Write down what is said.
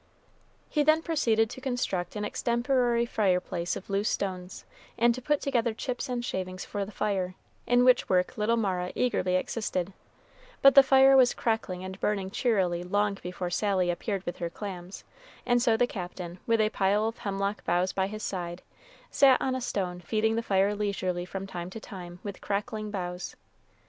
He then proceeded to construct an extemporary fireplace of loose stones, and to put together chips and shavings for the fire, in which work little Mara eagerly assisted; but the fire was crackling and burning cheerily long before Sally appeared with her clams, and so the Captain, with a pile of hemlock boughs by his side, sat on a stone feeding the fire leisurely from time to time with crackling boughs.